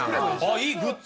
いい！グッズ！